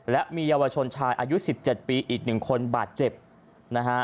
และมีเยาวชนชายอายุ๑๗ปีอีก๑คนบาดเจ็บนะฮะ